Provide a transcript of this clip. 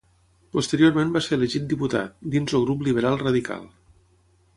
Posteriorment va ser elegit diputat, dins el grup liberal radical.